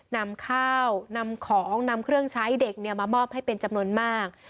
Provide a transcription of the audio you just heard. นำข้าวนำของนำเครื่องใช้เด็กมามอบให้เป็นจำนวนมาก